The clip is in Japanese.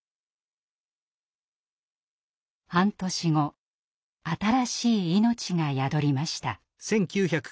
半年後新しい命が宿りました。